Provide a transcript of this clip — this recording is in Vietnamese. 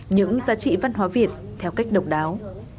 những giá trị văn hóa việt theo cách độc đáo